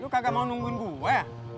kamu gak mau nungguin gue